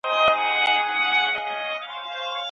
هر هېواد باید خپل تولیدي ظرفیت لوړ کړي.